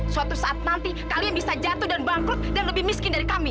suatu saat nanti kalian bisa jatuh dan bangkrut dan lebih miskin dari kami